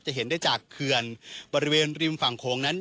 เห็นได้จากเขื่อนบริเวณริมฝั่งโขงนั้น